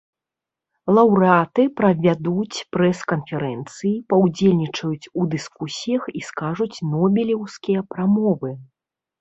Лаўрэаты правядуць прэс-канферэнцыі, паўдзельнічаюць у дыскусіях і скажуць нобелеўскія прамовы.